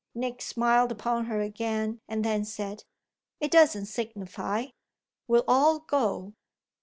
Nick smiled upon her again and then said: "It doesn't signify. We'll all go."